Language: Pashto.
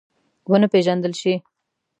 ونه پېژندل شي.